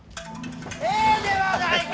ええではないか！